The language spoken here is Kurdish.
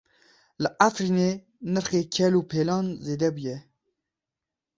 Li Efrînê nirxê kelûpelan zêde bûye.